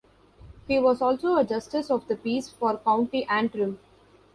He was also a Justice of the Peace for County Antrim.